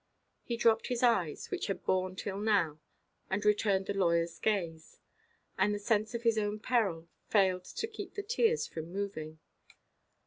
He dropped his eyes, which had borne, till now, and returned the lawyerʼs gaze; and the sense of his own peril failed to keep the tears from moving.